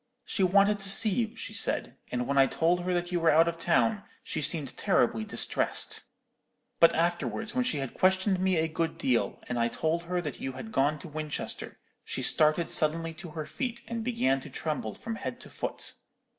She wanted to see you, she said; and when I told her that you were out of town, she seemed terribly distressed. But afterwards, when she had questioned me a good deal, and I told her that you had gone to Winchester, she started suddenly to her feet, and began to tremble from head to foot.